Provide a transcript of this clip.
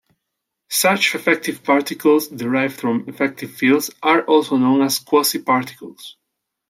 Such "effective particles" derived from effective fields are also known as quasiparticles.